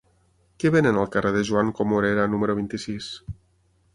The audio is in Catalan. Què venen al carrer de Joan Comorera número vint-i-sis?